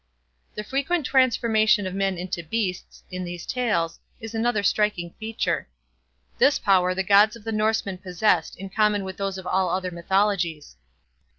The frequent transformation of men into beasts, in these tales, is another striking feature. This power the gods of the Norseman possessed in common with those of all other mythologies.